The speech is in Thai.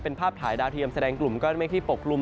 เป็นภาพถ่ายดาวเทียมแสดงกลุ่มก้อนเมฆที่ปกลุ่ม